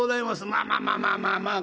まあまあまあまあまあまあ